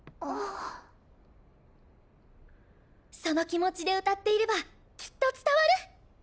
その気持ちで歌っていればきっと伝わる。